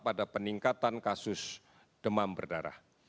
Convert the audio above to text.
pada peningkatan kasus demam berdarah